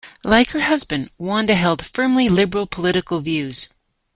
Like her husband, Wanda held firmly liberal political views.